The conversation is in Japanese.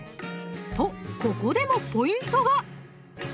とここでもポイントが！